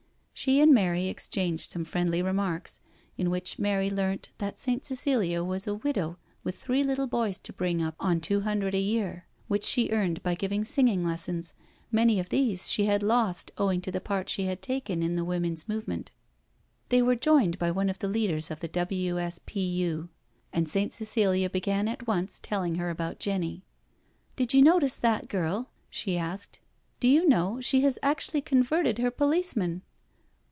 She and Mary exchanged some friendly remarks, in which Mary learnt that Saint Cecilia was a widow with three little boys to bring up on two hundred a year, which she earned by giving singing lessons; many of these she had lost owing to the part she had taken in the Woman's Movement. They were joined by one of the leaders of the W.S.P.U., and Saint Cpcilia began at once telling her about Jenny. " Did you notice that girl?" she asked. " Do you know, she has actually converted her police man."